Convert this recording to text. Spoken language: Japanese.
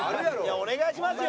お願いしますよ